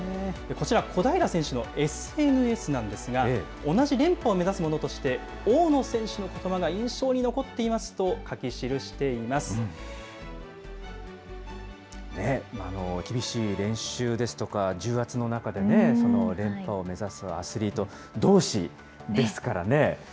こちら、小平選手のＳＮＳなんですが、同じ連覇を目指す者として、大野選手のことばが印象に残っていま厳しい練習ですとか重圧の中で、連覇を目指すアスリートどうしですからね。